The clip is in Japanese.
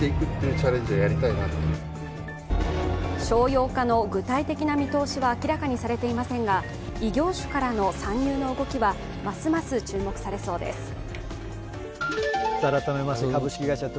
商用化の具体的な見通しは明らかにされていませんが、異業種からの参入の動きはますます注目されそうです。